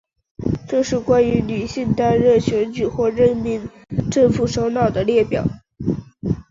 这是关于女性担任选举或者任命的政府首脑的列表。